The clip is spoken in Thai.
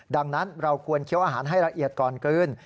ดังนั้นเราควรเคี้ยวอาหารให้ละเอียดก่อนเกิน